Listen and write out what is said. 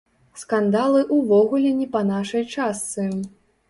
Скандалы ўвогуле не па нашай частцы.